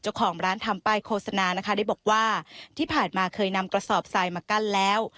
เจ้าของร้านทำป้ายโฆษณานะคะได้บอกว่าที่ผ่านมาเคยนำกระสอบทรายมากั้นแล้ว